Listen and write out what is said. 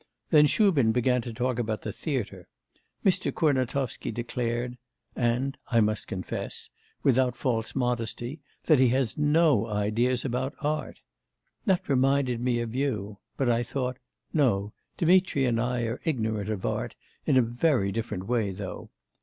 Then Shubin began to talk about the theatre; Mr. Kurnatovsky declared and I must confess without false modesty, that he has no ideas about art. That reminded me of you but I thought; no, Dmitri and I are ignorant of art in a very different way though.